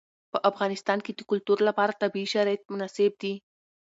په افغانستان کې د کلتور لپاره طبیعي شرایط مناسب دي.